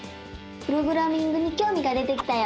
プログラミングにきょうみが出てきたよ！